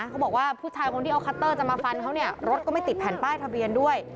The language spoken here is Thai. เขาบอกว่าผู้ชายคนที่เอาคัตเตอร์จะมาฟันเขาเนี่ยรถก็ไม่ติดแผ่นป้ายทะเบียนด้วย